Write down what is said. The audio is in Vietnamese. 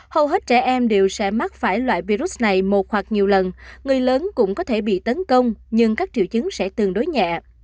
hầu hết trẻ em đều sẽ mắc phải loại virus này một hoặc nhiều lần người lớn cũng có thể bị tấn công nhưng các triệu chứng sẽ tương đối nhẹ